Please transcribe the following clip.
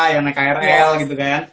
yang naik krl gitu kan